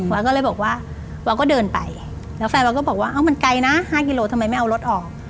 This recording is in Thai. วาก็เลยบอกว่าวอก็เดินไปแล้วแฟนวาก็บอกว่าเอ้ามันไกลนะ๕กิโลทำไมไม่เอารถออก